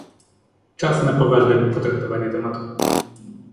Czas na poważne potraktowanie tematu